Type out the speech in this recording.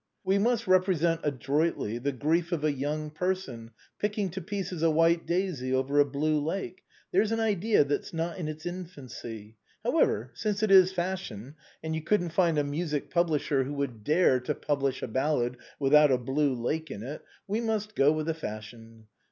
" We must represent adroitly the grief of a young person picking to pieces a white daisy over a blue lake. There's an idea that's not in its infancy ! However, since it is the fashion, and you couldn't find a music publisher who would dare to publish a ballad without a blue lake in it, we must go with the fashion.